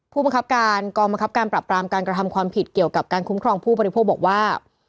ผู้บังคับการกองบังคับการปรับปรามการกระทำความผิดเกี่ยวกับการคุ้มครองผู้บริโภคบอกว่า